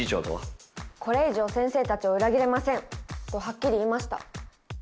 「これ以上先生たちを裏切れません」とハッキリ言いました。